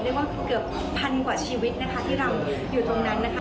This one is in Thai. เรียกว่าเกือบพันกว่าชีวิตนะคะที่เราอยู่ตรงนั้นนะคะ